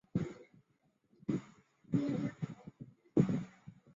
许多外国出版商在取得授权后翻译和发行外文版日本漫画。